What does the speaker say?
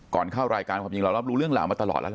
ก่อนเข้ารายการผมยังรอบรู้เรื่องหลังมาตลอดแล้วละ